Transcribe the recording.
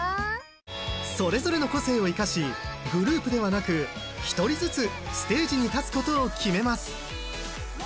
それぞれの個性を生かしグループではなく一人ずつステージに立つことを決めます。